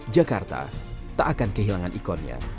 jakarta tak akan kehilangan ikonnya